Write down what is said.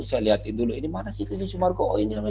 saya lihatin dulu ini mana sih ini sumargo